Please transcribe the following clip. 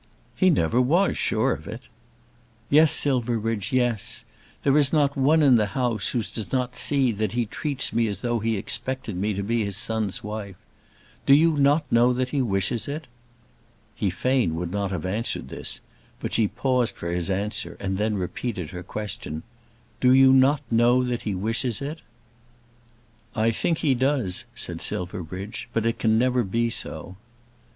"He never was sure of it." "Yes, Silverbridge; yes. There is not one in the house who does not see that he treats me as though he expected me to be his son's wife. Do you not know that he wishes it?" He fain would not have answered this; but she paused for his answer and then repeated her question. "Do you not know that he wishes it?" "I think he does," said Silverbridge; "but it can never be so."